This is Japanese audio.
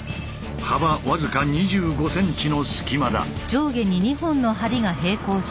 幅僅か２５ｃｍの隙間だ。